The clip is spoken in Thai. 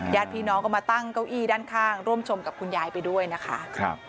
ญาติพี่น้องก็มาตั้งเก้าอี้ด้านข้างร่วมชมกับคุณยายไปด้วยนะคะ